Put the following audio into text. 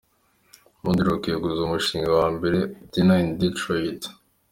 Murdock yaguze umushinga we wa mbere “a Dinner in Detroit”.